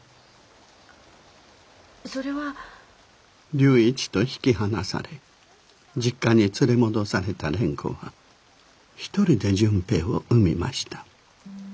龍一と引き離され実家に連れ戻された蓮子は一人で純平を産みました。